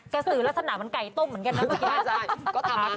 สือลักษณะเหมือนไก่ต้มเหมือนกันนะเมื่อกี้